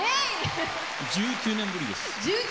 １９年ぶりです。